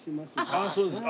あっそうですか。